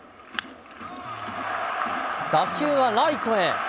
打球はライトへ。